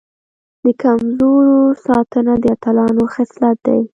د کمزورو ساتنه د اتلانو خصلت دی.